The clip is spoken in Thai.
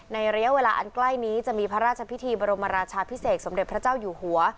ระยะเวลาอันใกล้นี้จะมีพระราชพิธีบรมราชาพิเศษสมเด็จพระเจ้าอยู่หัว